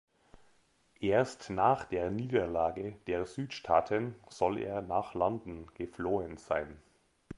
Erst nach der Niederlage der Südstaaten soll er nach London geflohen sein.